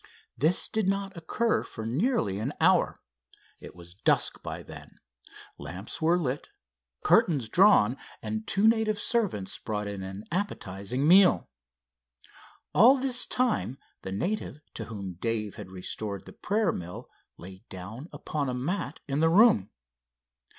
This did not occur for nearly an hour. It was dusk by then, lamps were lit, curtains drawn, and two native servants brought in an appetizing meal. All this time the native to whom Dave had restored the prayer mill lay down upon a mat in the room.